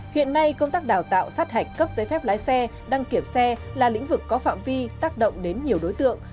hiện nay công tác đào tạo sát hạch cấp giấy phép lái xe đăng kiểm xe là lĩnh vực có phạm vi tác động đến nhiều đối tượng